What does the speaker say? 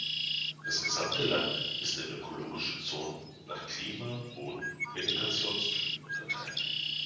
Das gesamte Land ist in ökologische Zonen nach Klima, Boden und Vegetationstypen unterteilt.